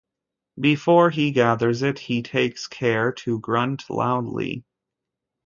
Before he gathers it he takes care to grunt loudly.